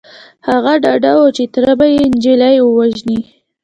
هغه ډاډه و چې تره به يې نجلۍ ووژني.